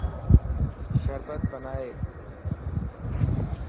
شربت بنائي